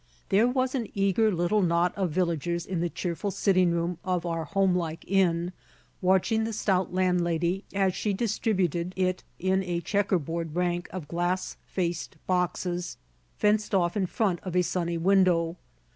There was an eager little knot of villagers in the cheerful sitting room of our homelike inn, watching the stout landlady as she distributed it in a checker board rank of glass faced boxes fenced off in front of a sunny window.